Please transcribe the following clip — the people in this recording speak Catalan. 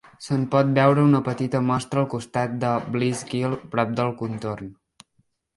Se'n pot veure una petita mostra al costat de Blease Gill prop del contorn.